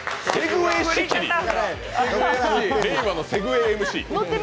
令和のセグウェイＭＣ。